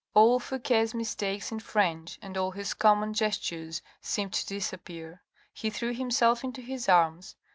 n All Fouque's mistakes in French and all his common gestures seemed to disappear. He threw himself into his arms.